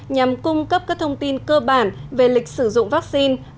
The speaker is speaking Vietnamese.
nhằm cung cấp các thông tin cơ bản về lịch sử dụng vaccine